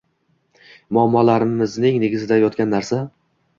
Muammolarimizning negizida yotgan narsa